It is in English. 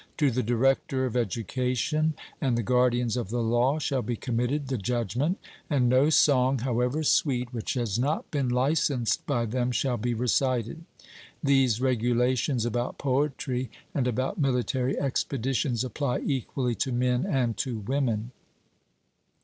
To the director of education and the guardians of the law shall be committed the judgment, and no song, however sweet, which has not been licensed by them shall be recited. These regulations about poetry, and about military expeditions, apply equally to men and to women.